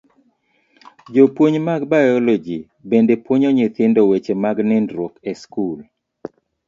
Jopuonj mag biology bende puonjo nyithindo weche mag nindruok e skul.